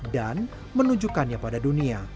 dan menunjukkannya pada dunia